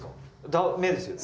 ダメですよね。